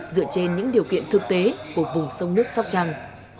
dựa trên những điều kiện thực tế của vùng sông nước sóc trăng